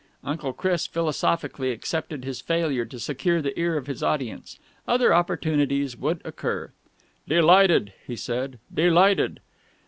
Uncle Chris philosophically accepted his failure to secure the ear of his audience. Other opportunities would occur. "Delighted," he said. "Delighted."